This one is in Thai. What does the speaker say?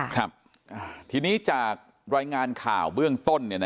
ครับทีนี้จากรายงานข่าวเบื้องต้น